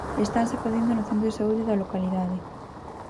Estanse facendo no centro de saúde da localidade.